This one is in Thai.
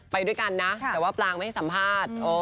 ไปด้วยกันนะแต่ว่าปลางไม่ให้สัมภาษณ์